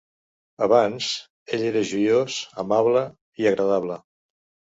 Abans, ell era joiós, amable i agradable.